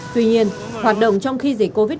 tuy nhiên hoạt động trong khi dịch covid một mươi chín